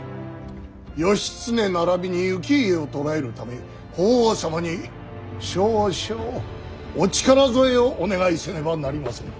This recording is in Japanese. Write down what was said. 義経ならびに行家を捕らえるため法皇様に少々お力添えをお願いせねばなりませぬ。